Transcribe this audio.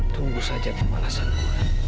tunggu saja pemalasanku